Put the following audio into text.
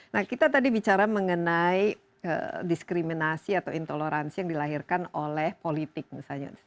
nah kita tadi bicara mengenai diskriminasi atau intoleransi yang dilahirkan oleh politik misalnya